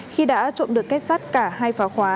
khi đã trộm được cách sát cả hai pháo khóa